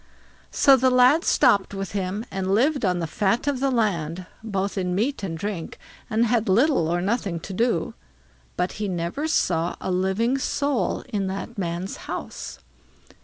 So the lad stopped with him, and lived on the fat of the land, both in meat and drink, and had little or nothing to do; but he never saw a living soul in that man's house.